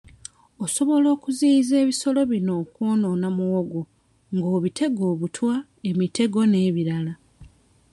Osobola okuziyiza ebisolo bino okwonoona muwogo ng'obitega obutwa, emitego n'ebirala.